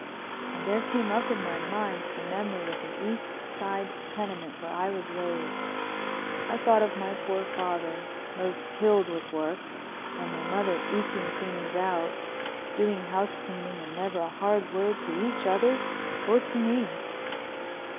And there came up in my mind the memory of the East Side tenement where I was raised. I thought of my poor father, most killed with work, and my mother eking things out, doing housecleaning and never a hard word to each other or to me.